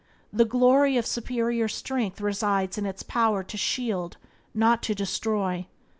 The glory of superior strength resides in its power to shield, not to destroy.